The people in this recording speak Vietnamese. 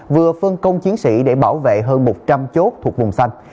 vừa phân công chiến sĩ để bảo vệ hơn một trăm linh chốt thuộc vùng xanh